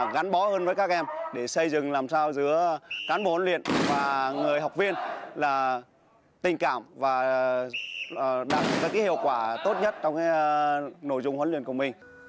gắn bó hơn với các em để xây dựng làm sao giữa cán bộ huấn luyện và người học viên là tình cảm và đạt ra hiệu quả tốt nhất trong nội dung huấn luyện của mình